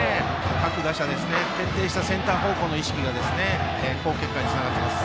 各打者、徹底したセンター方向への意識がこの結果につながっています。